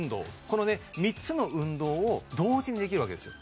この３つの運動を同時にできるわけですよ